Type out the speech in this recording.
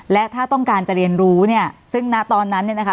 และถ้าต้องการจะเรียนรู้เนี่ยซึ่งณตอนนั้นเนี่ยนะคะ